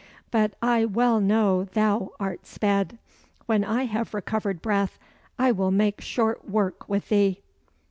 But I well know thou art sped. When I have recovered breath, I will make short work with thee."